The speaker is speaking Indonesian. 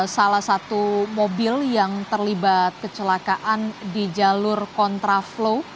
salah satu mobil yang terlibat kecelakaan di jalur kontraflow